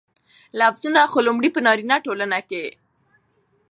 لفظونه خو لومړى په نارينه ټولنه کې